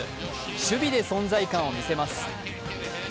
守備で存在感を見せます。